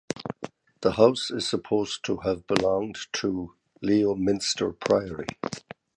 The house is supposed to have belonged to Leominster Priory.